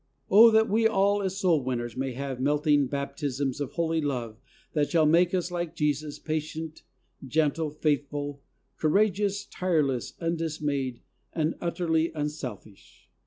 Oh, that we all as soul winners may have melting baptisms of holy love that shall make us, like Jesus, patient, gentle, faithful, courageous, tireless, undismayed and utterly unselfish.